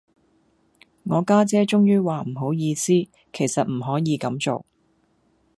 我家姐終於話唔好意思，其實唔可以咁做